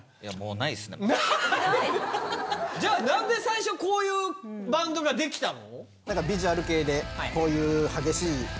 ない⁉何で最初こういうバンドができたの？